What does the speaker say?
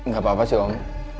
gak apa apa sih om